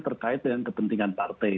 terkait dengan kepentingan partai